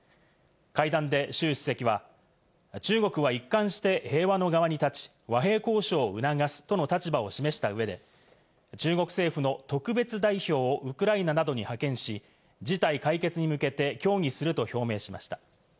会談でシュウ主席は、中国は一貫して平和の側に立ち、和平交渉を促すとの立場を示した上で、中国政府の特別代表をウクライナなどに派遣し、事態解決に向けて協議すると表明しました。